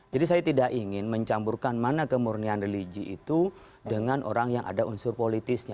jadi saya tidak ingin mencampurkan mana kemurnian religi itu dengan orang yang ada unsur politisnya